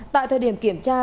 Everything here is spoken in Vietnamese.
tại thời điểm kiểm tra